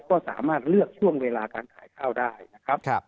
ก็สามารถเลือกช่วงเวลาการขายข้าวได้นะครับ